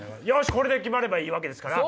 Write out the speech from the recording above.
これで決まればいいわけですから。